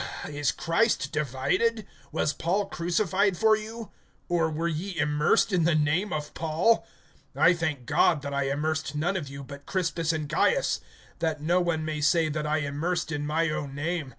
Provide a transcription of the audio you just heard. (13)Is Christ divided? Was Paul crucified for you? Or were ye immersed in the name of Paul? (14)I thank God that I immersed none of you, but Crispus and Gaius; (15)that no one may say that I immersed in my own name.